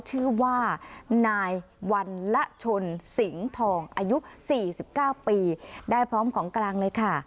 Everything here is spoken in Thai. ชื่อว่านายวันละชนอายุสี่สิบเก้าปี